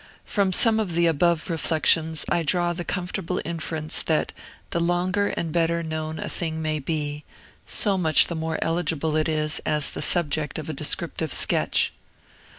From some of the above reflections I draw the comfortable inference, that, the longer and better known a thing may be, so much the more eligible is it as the subject of a descriptive sketch.